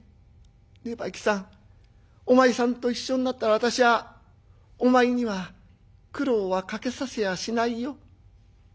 ねえ梅喜さんお前さんと一緒になったら私はお前には苦労はかけさせやしないよ」。